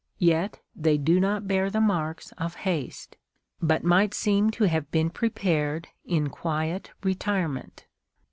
Yet they do not bear the marks of haste, but might seem to have been prepared in quiet retirement.